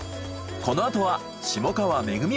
このあとは下川めぐみ